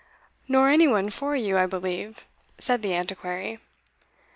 "Nor any one for you, I believe," said the Antiquary.